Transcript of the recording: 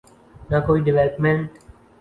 نہ کوئی ڈویلپمنٹ۔